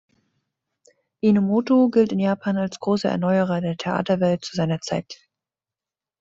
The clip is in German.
Enomoto gilt in Japan als großer Erneuerer der Theaterwelt zu seiner Zeit.